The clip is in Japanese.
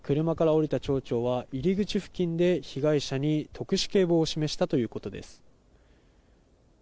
車から降りた町長は入り口付近で被害者に特殊警棒を示したということです。